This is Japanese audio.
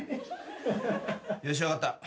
よし分かった。